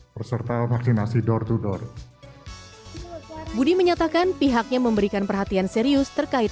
peserta vaksinasi door to door budi menyatakan pihaknya memberikan perhatian serius terkait